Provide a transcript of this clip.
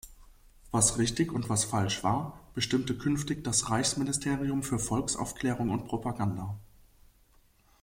Was richtig und was falsch war, bestimmte künftig das Reichsministerium für Volksaufklärung und Propaganda.